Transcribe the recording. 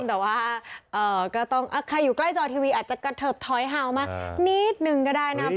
แต่ว่าก็ต้องใครอยู่ใกล้จอทีวีอาจจะกระเทิบถอยเห่ามานิดนึงก็ได้นะ